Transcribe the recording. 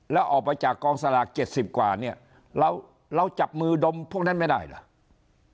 แล้วออกไปจากกองสลาก๗๐กว่าเนี่ยเราจับมือดมพวกนั้นไม่ได้เหรอ